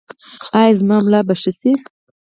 ایا زما ملا به ښه شي؟